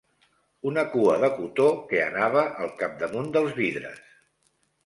Una cua de cotó que anava al capdamunt dels vidres